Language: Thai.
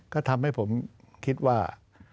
ก็ทำให้ผมคิดว่า